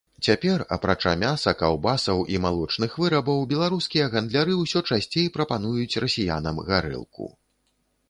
Цяпер, апрача мяса, каўбасаў і малочных вырабаў, беларускія гандляры ўсё часцей прапануюць расіянам гарэлку.